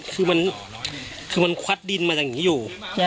คือมันควักดินมาจากอย่างนี้อยู่